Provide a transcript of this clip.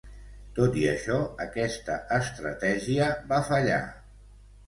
Tot i això, aquesta estratègia va fallar.